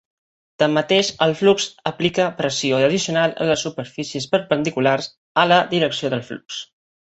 Tanmateix, el flux aplica pressió addicional en les superfícies perpendiculars a la direcció del flux.